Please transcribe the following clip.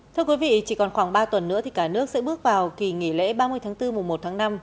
thưa quý vị chỉ còn khoảng ba tuần nữa thì cả nước sẽ bước vào kỳ nghỉ lễ ba mươi tháng bốn mùa một tháng năm